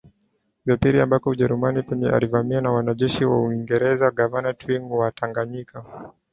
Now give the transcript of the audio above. vya pili ambako Ujerumani penyewe ilivamiwa na wanajeshi wa Uingereza gavana Twining wa Tanganyika